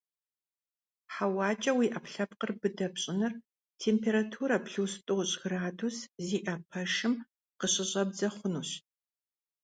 ХьэуакӀэ уи Ӏэпкълъэпкъыр быдэ пщӀыныр температурэ плюс тӀощӀ градус зиӀэ пэшым къыщыщӀэбдзэ хъунущ.